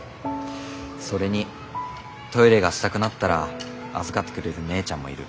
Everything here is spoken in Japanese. それにトイレがしたくなったら預かってくれる姉ちゃんもいる。